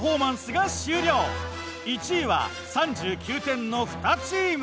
１位は３９点の２チーム。